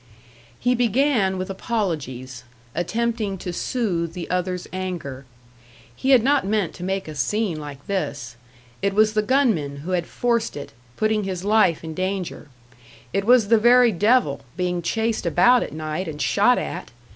He began with apologies, attempting to soothe the other's anger. He had not meant to make a scene like this; it was the gunmen who had forced it, putting his life in danger. It was the very devil, being chased about at night and shot at!